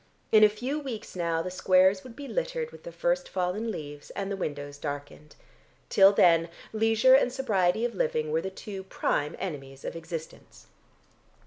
In a few weeks now the squares would be littered with the first fallen leaves, and the windows darkened. Till then leisure and sobriety of living were the two prime enemies of existence.